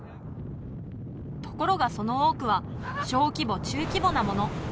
ところがその多くは小規模中規模なもの